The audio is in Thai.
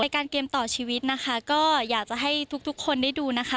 การเกมต่อชีวิตนะคะก็อยากจะให้ทุกทุกคนได้ดูนะคะ